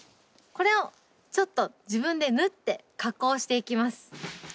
これをちょっと自分で縫って加工していきます。